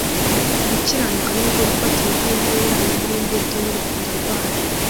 Gukiranuka ni rwo rufatiro rw'intebe yayo n'imbuto y'urukundo rwayo.